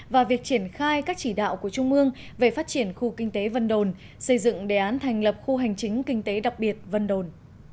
và việc triển khai các chỉ đạo của trung ương về phát triển khu kinh tế vân đồn xây dựng đề án thành lập khu hành chính kinh tế đặc biệt vân đồn